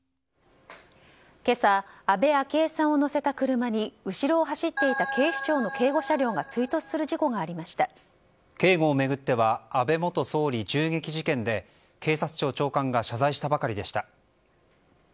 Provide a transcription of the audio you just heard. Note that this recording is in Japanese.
今朝安倍昭恵さんを乗せた車に後ろを走っていた警視庁の警護車両が警護を巡っては安倍元総理銃撃事件で警察庁長官が謝罪したばかりでした。